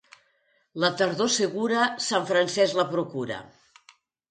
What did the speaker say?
La tardor segura, Sant Francesc la procura.